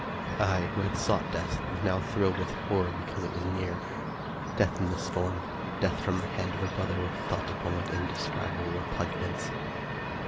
I, who had sought death, was now thrilled with horror because it was near. Death in this form, death from the hand of a brother, was thought upon with inde scribable repugnance.